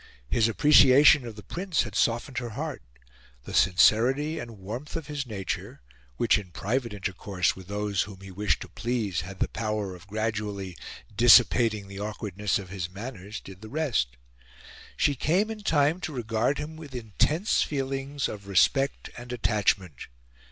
His appreciation of the Prince had softened her heart; the sincerity and warmth of his nature, which, in private intercourse with those whom he wished to please, had the power of gradually dissipating the awkwardness of his manners, did the rest. She came in time to regard him with intense feelings of respect and attachment.